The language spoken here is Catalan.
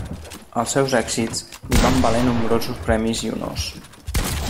Els seus èxits li van valer nombrosos premis i honors.